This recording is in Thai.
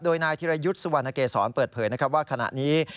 โดยนายธิรยุทธ์สุวรรณเกษรเปิดเผยนะครับว่าขณะนี้